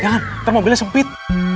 jangan nanti mobilnya sempit